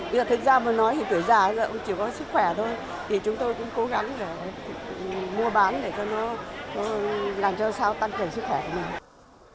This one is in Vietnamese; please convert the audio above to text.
bây giờ thực ra mà nói thì tuổi già cũng chỉ có sức khỏe thôi thì chúng tôi cũng cố gắng để mua bán để cho nó làm cho sao tăng cường sức khỏe của mình